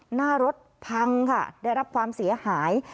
หน้ารถพังค่ะได้รับความเสียหาย